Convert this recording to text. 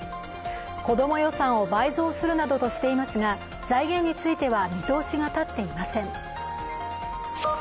子ども予算を倍増するなどとしていますが財源については見通しが立っていません。